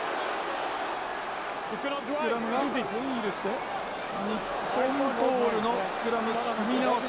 スクラムがホイールして日本ボールのスクラム組み直し。